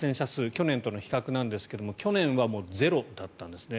去年との比較なんですが去年はゼロだったんですね。